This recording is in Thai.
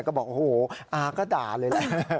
ก็บอกโอ้โหอาก็ด่าเลยแหละ